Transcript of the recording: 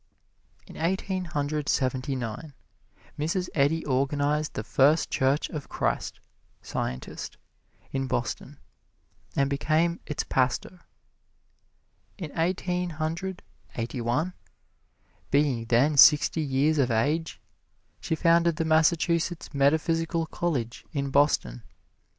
In Eighteen Hundred Seventy nine, Mrs. Eddy organized the First Church of Christ, Scientist, in Boston, and became its pastor. In Eighteen Hundred Eighty one, being then sixty years of age, she founded the Massachusetts Metaphysical College, in Boston.